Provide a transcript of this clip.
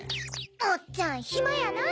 おっちゃんひまやなぁ。